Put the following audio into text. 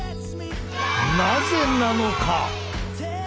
なぜなのか？